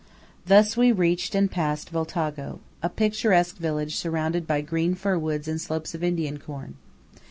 Thus we reached and passed Voltago–a picturesque village surrounded by green fir woods and slopes of Indian corn.